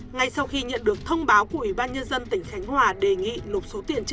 ngay sau khi nhận được thông báo của ủy ban nhân dân tỉnh khánh hòa đề nghị nộp số tiền trên